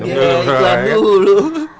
anjir dia minum dulu